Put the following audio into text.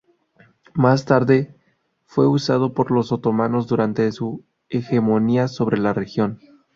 Más tarde, fue usado por los otomanos durante su hegemonía sobre la región.